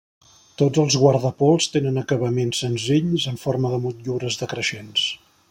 Tots els guardapols tenen acabaments senzills en forma de motllures decreixents.